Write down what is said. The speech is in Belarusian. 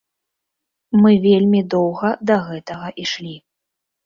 Мы вельмі доўга да гэтага ішлі.